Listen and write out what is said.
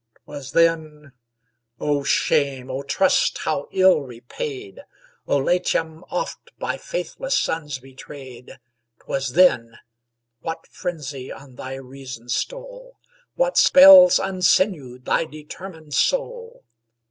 'Twas then O shame! O trust how ill repaid! O Latium, oft by faithless sons betrayed! 'Twas then What frenzy on thy reason stole? What spells unsinewed thy determined soul?